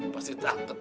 pasti takut tuh setan